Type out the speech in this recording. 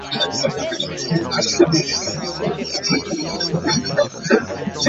His first job was as a rehearsal pianist for "Funny Girl" with Barbra Streisand.